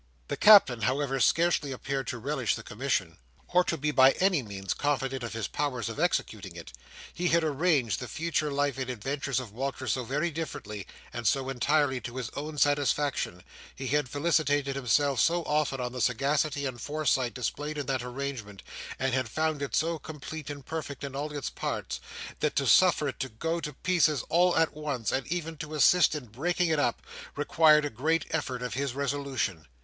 The Captain, however, scarcely appeared to relish the commission, or to be by any means confident of his powers of executing it. He had arranged the future life and adventures of Walter so very differently, and so entirely to his own satisfaction; he had felicitated himself so often on the sagacity and foresight displayed in that arrangement, and had found it so complete and perfect in all its parts; that to suffer it to go to pieces all at once, and even to assist in breaking it up, required a great effort of his resolution.